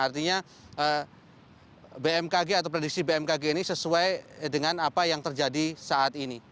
artinya bmkg atau prediksi bmkg ini sesuai dengan apa yang terjadi saat ini